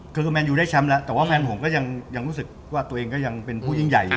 คือแมนยูได้แชมป์แล้วแต่ว่าแฟนผมก็ยังรู้สึกว่าตัวเองก็ยังเป็นผู้ยิ่งใหญ่อยู่